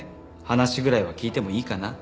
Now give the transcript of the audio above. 話ぐらいは聞いてもいいかなと。